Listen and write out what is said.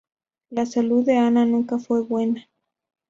La salud de Ana nunca fue buena.